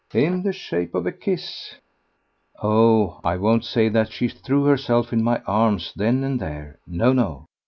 "In the shape of a kiss." Oh! I won't say that she threw herself in my arms then and there. No, no!